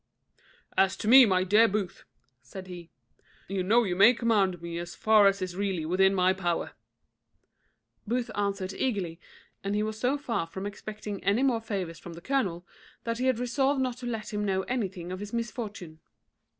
"As to me, my dear Booth," said he, "you know you may command me as far as is really within my power." Booth answered eagerly, that he was so far from expecting any more favours from the colonel, that he had resolved not to let him know anything of his misfortune.